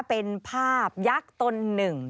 เป็นภาพยักษ์ตนหนึ่ง